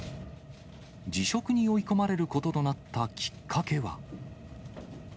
辞職に追い込まれることとなったきっかけは。